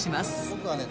僕はね